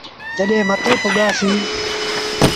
جڏهيݩ مٿي پُڳآسيٚݩ۔